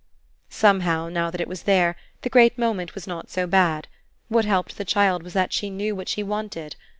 Somehow, now that it was there, the great moment was not so bad. What helped the child was that she knew what she wanted.